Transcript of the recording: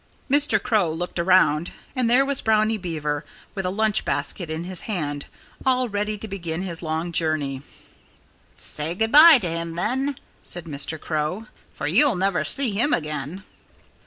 Mr. Crow looked around. And there was Brownie Beaver, with a lunch basket in his hand, all ready to begin his long journey. "Say good by to him then," said Mr. Crow, "for you'll never see him again."